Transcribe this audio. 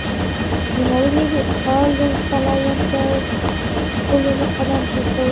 نوموړي د کارلوس سلایم پر پلونو قدم کېښود.